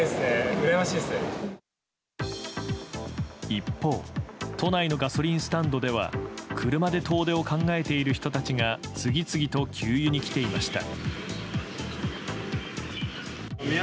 一方都内のガソリンスタンドでは車で遠出を考えている人たちが次々と給油に来ていました。